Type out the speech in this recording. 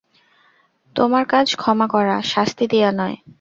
তোমার কাজ ক্ষমা করা, শাস্তি দেয়া নয়।